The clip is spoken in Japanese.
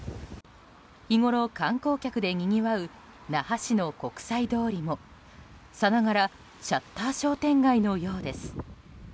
日ごろ観光客でにぎわう那覇市の国際通りもさながらシャッター商店街のようです。